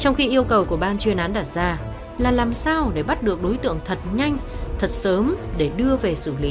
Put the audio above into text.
trong khi yêu cầu của ban chuyên án đặt ra là làm sao để bắt được đối tượng thật nhanh thật sớm để đưa về xử lý